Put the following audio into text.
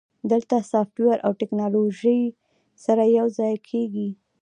دلته سافټویر او ټیکنالوژي سره یوځای کیږي.